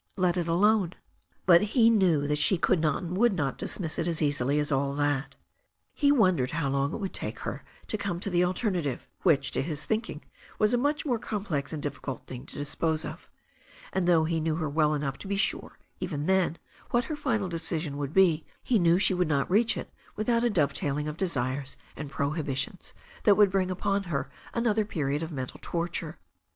Let it alone." But he knew she could not and would not dismiss it as easily as all that. He wondered how long it would take her to come to the alternative, which, to his thinking, was a much more complex and difficult thing to dispose of; and, though he knew her well enough to be sure, even then^ what 38o THE STORY OF A NEW ZEALAND RIVER her final decision would be, he knew she would not reach it without a dovetailing of desires and prohibitions that would bring upon her another period of mental torture.